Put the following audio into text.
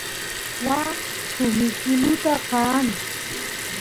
waa suk mikiluta qaan